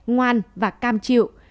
ngoan và cam chịu